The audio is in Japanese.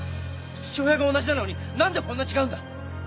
父親が同じなのに何でこんな違うんだ！